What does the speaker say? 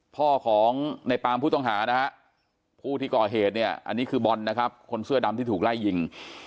พ่อของในปามผู้ต้องหานะฮะผู้ที่ก่อเหตุเนี่ยอันนี้คือบอลนะครับคนเสื้อดำที่ถูกไล่ยิง